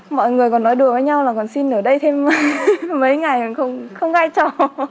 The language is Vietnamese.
mọi người còn nói đùa với nhau là còn xin ở đây thêm mấy ngày không gai trò